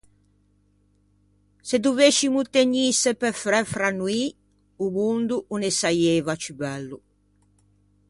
Se dovescimo tegnîse pe fræ fra noî, o mondo o ne saieiva ciù bello.